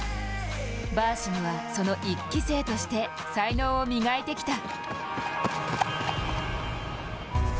バーシムはその１期生として才能を磨いてきた。